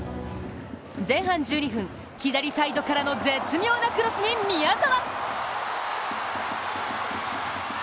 前半１２分、左サイドからの絶妙なクロスに宮澤。